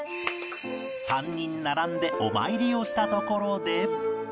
３人並んでお参りをしたところで